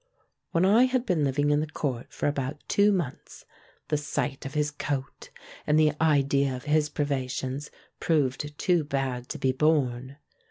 When I had been Hving in the court for about two months, the sight of his coat, and the idea of his privations, proved too bad to be borne.